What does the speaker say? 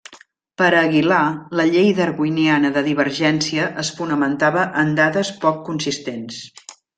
Per a Aguilar la llei darwiniana de divergència es fonamentava en dades poc consistents.